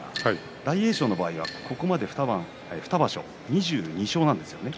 大栄翔の場合はここまで２場所２２勝なんですよね。